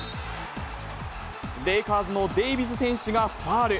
レイカーズのデイビズ選手がファウル。